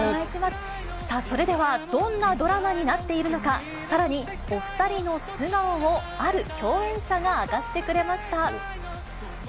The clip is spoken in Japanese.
それではどんなドラマになっているのか、さらにお２人の素顔を、ある共演者が明かしてくれました。